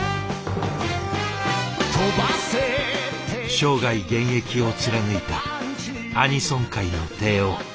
生涯現役を貫いたアニソン界の帝王。